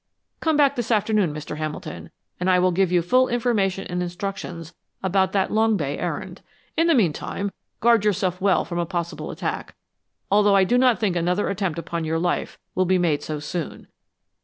Come back this afternoon, Mr. Hamilton, and I will give you full information and instructions about that Long Bay errand. In the meantime, guard yourself well from a possible attack, although I do not think another attempt upon your life will be made so soon.